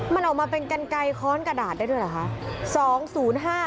มันออกมาเป็นกันไกลค้อนกระดาษได้ด้วยเหรอคะ